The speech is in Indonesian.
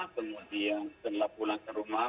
kemudian setelah pulang ke rumah